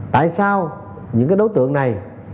tại sao những cái đối tượng này